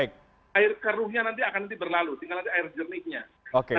keruhnya nanti akan berlalu tinggal nanti air jernihnya